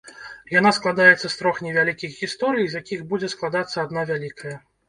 Яна складаецца з трох невялікіх гісторый, з якіх будзе складацца адна вялікая.